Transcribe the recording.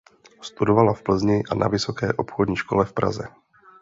Studovala v Plzni a na Vysoké obchodní škole v Praze.